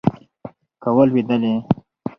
که ولوېدلې